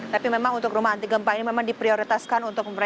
tapi memang untuk rumah anti gempa ini memang diprioritaskan